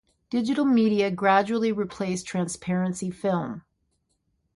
Digital media gradually replaced transparency film.